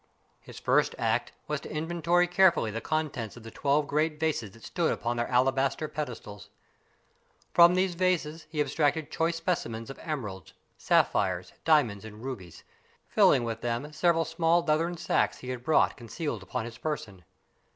His first act was to inventory carefully the contents of the twelve great vases that stood upon their alabaster pedestals. From these vases he abstracted choice specimens of emeralds, sapphires, diamonds and rubies, filling with them several small leathern sacks he had brought concealed upon his person.